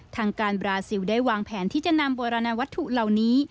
ทางการบราซิลได้วางแผนที่จะนำโบราณวัตถุเหล่านี้